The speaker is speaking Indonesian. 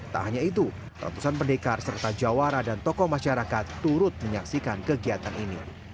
tak hanya itu ratusan pendekar serta jawara dan tokoh masyarakat turut menyaksikan kegiatan ini